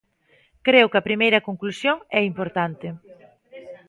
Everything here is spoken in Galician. Creo que a primeira conclusión é importante.